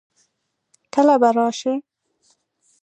کله به راشي؟